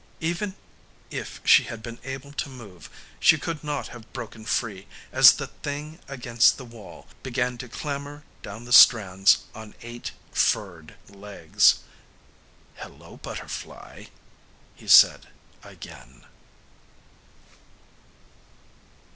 Even if she had been able to move, she could not have broken free as the thing against the wall began to clamber down the strands on eight furred legs. "Hello, butterfly," he said again.